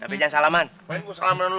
tapi jangan salaman